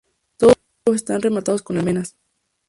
Todos sus muros están rematados con almenas.